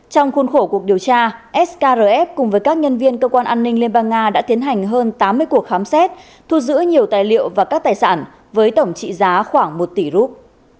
trong khuôn khổ cuộc điều tra skf cùng với các nhân viên cơ quan an ninh liên bang nga đã tiến hành hơn tám mươi cuộc khám xét thu giữ nhiều tài liệu và các tài sản với tổng trị giá khoảng một tỷ rút